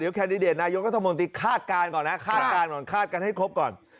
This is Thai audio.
เดี๋ยวแคนดิเดตนายกสมติฆาตการก่อนนะฆาตการก่อนฆาตการให้ครบก่อน